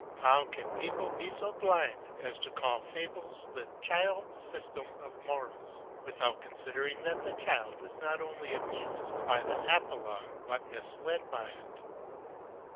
How can people be so blind as to call fables the child's system of morals, without considering that the child is not only amused by the apologue but misled by it?